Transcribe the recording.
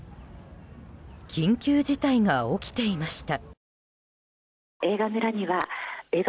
緊急事態が起きていました。